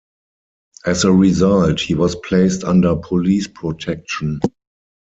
As a result, he was placed under police protection.